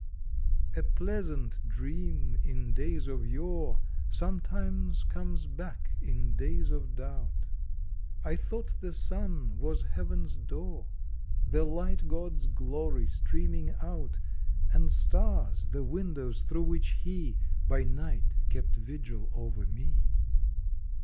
A PLEASANT dream in days of yore ^ Sometimes comes back in days of doubt I thought the Sun was Heaven s door, The Light God s glory streaming out, And Stars the windows thro which He By night kept vigil over me.